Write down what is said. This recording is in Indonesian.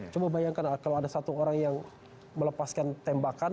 coba bayangkan kalau ada satu orang yang melepaskan tembakan